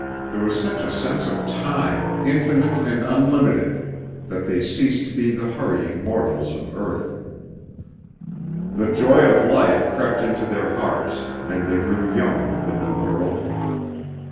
There was such a sense of time, infinite and unlimited, that they ceased to be the hurrying mortals of earth. The joy of life crept into their hearts, and they grew young with the new world.